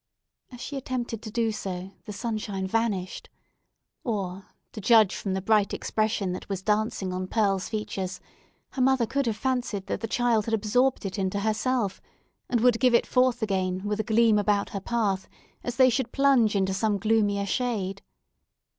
As she attempted to do so, the sunshine vanished; or, to judge from the bright expression that was dancing on Pearl's features, her mother could have fancied that the child had absorbed it into herself, and would give it forth again, with a gleam about her path, as they should plunge into some gloomier shade.